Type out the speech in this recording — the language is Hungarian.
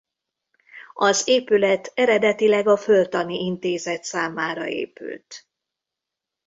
Az épület eredetileg a Földtani Intézet számára épült.